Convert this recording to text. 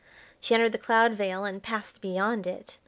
She entered the cloud veil and passed beyond it.